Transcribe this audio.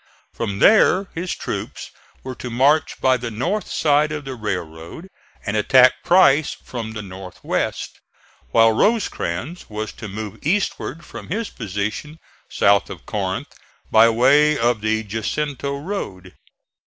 From there his troops were to march by the north side of the railroad and attack Price from the north west, while Rosecrans was to move eastward from his position south of Corinth by way of the Jacinto road.